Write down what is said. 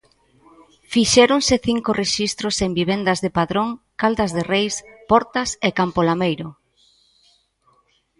Fixéronse cinco rexistros en vivendas de Padrón, Caldas de Reis, Portas e Campo Lameiro.